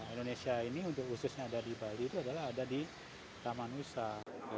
indonesia ini untuk khususnya ada di bali itu adalah ada di taman nusa